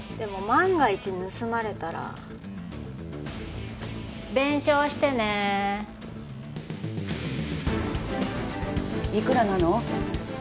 万が一盗まれたら弁償してねいくらなの？